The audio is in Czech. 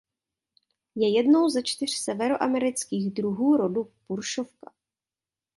Je jednou ze čtyř severoamerických druhů rodu puršovka.